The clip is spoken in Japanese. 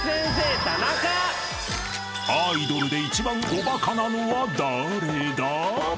［アイドルで一番おバカなのは誰だ！？］